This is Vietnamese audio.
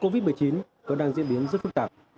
tình hình dịch covid một mươi chín có đang diễn biến rất phức tạp